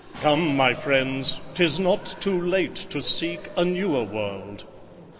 Come, my friends, ’Tis not too late to seek a newer world.